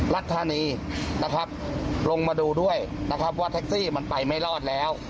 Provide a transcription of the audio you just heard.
รัฐธานีนะครับลงมาดูด้วยนะครับว่าแท็กซี่มันไปไม่รอดแล้ว